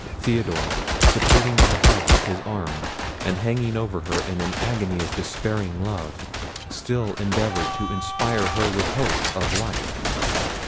Theodore, supporting her head with his arm, and hanging over her in an agony of despairing love, still endeavoured to inspire her with hopes of life.